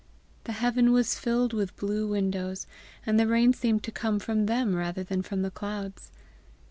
The heaven was filled with blue windows, and the rain seemed to come from them rather than from the clouds.